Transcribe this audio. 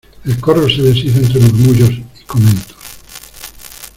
el corro se deshizo entre murmullos y comentos: